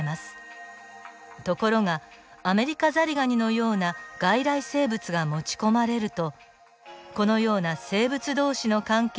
ところがアメリカザリガニのような外来生物が持ち込まれるとこのような生物同士の関係に大きな影響を与え